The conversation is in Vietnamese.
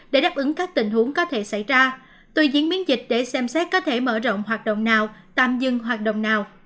để đáp ứng các tình huống có thể xảy ra tuy diễn biến dịch để xem xét có thể mở rộng hoạt động nào tạm dừng hoạt động nào